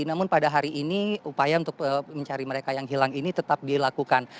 namun pada hari ini upaya untuk mencari mereka yang hilang ini tetap dilakukan